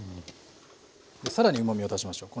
更にうまみを出しましょう。